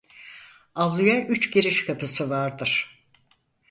Avluya üç giriş kapısı vardır.